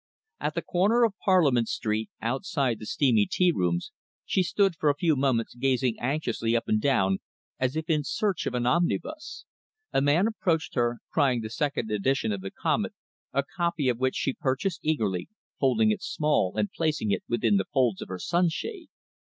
At the corner of Parliament Street, outside the steamy tea rooms, she stood for a few moments gazing anxiously up and down, as if in search of an omnibus. A man approached her, crying the second edition of the Comet, a copy of which she purchased eagerly, folding it small and placing it within the folds of her sunshade.